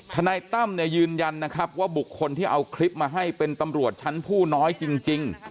นายตั้มเนี่ยยืนยันนะครับว่าบุคคลที่เอาคลิปมาให้เป็นตำรวจชั้นผู้น้อยจริง